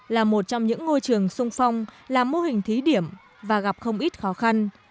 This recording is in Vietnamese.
là một trong những ngôi trường sung phong làm mô hình thí điểm và gặp không ít khó khăn